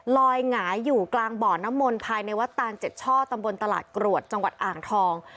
หงายอยู่กลางบ่อน้ำมนต์ภายในวัดตานเจ็ดช่อตำบลตลาดกรวดจังหวัดอ่างทอง